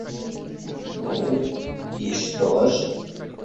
Ну, и что ж?